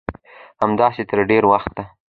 همداسې تر ډېره وخته